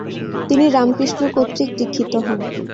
তিনি রামকৃষ্ণ কর্তৃক দীক্ষিত হন।